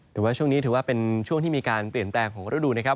แต่ว่าช่วงนี้ถือว่าเป็นช่วงที่มีการเปลี่ยนแปลงของฤดูนะครับ